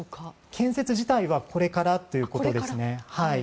建設自体はこれからということですね。